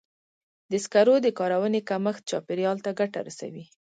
د سکرو د کارونې کمښت چاپېریال ته ګټه رسوي.